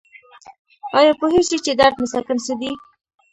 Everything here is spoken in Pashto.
ایا پوهیږئ چې درد مسکن څه دي؟